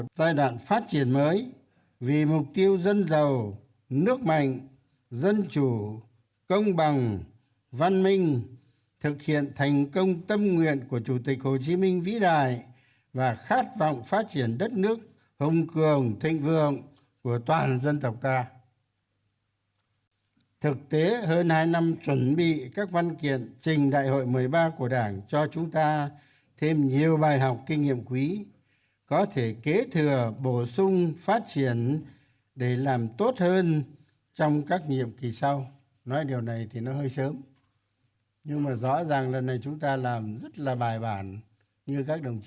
trung ương thống nhất cao cho rằng việc chuẩn bị các văn kiện trình hội nghị một mươi ba của đảng